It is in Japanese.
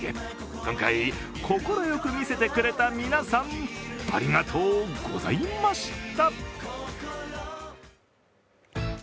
今回、快く見せてくれた皆さん、ありがとうございました。